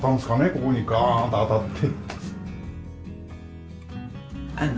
ここにガーンと当たって。